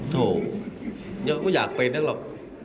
โถยังก็อยากเป็นหรอก